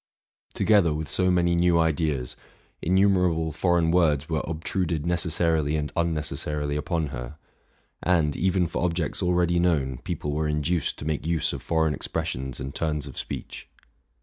Together with so many new ideas, innumerable foreign words were obtruded necessarily and unnecessarily upon her; and, even for objects already known, people were induced to make use of foreign expressions and turns of speech.